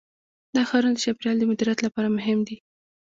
دا ښارونه د چاپیریال د مدیریت لپاره مهم دي.